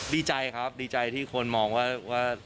ดีใจครับดีใจที่คนมองว่า